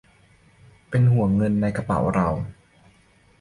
เป็นห่วงเงินในกระเป๋าเรา